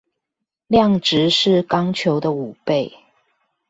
量值是鋼球的五倍